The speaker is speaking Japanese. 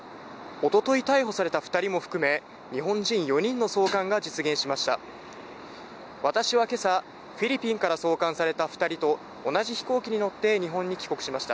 一昨日逮捕された２人も含め、日本人４人の送還が実現しました。